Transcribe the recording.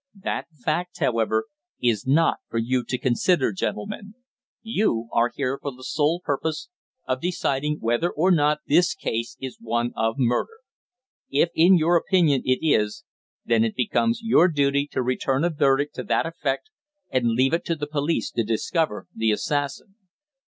That fact, however, is not for you to consider, gentlemen. You are here for the sole purpose of deciding whether or not this case is one of murder. If, in your opinion it is, then it becomes your duty to return a verdict to that effect and leave it to the police to discover the assassin.